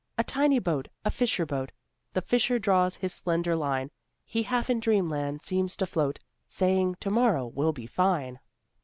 A tiny boat, a fisher boat The fisher draws his slender line; He half in dream land seems to float. Saying, 'to morrow will be fine.'"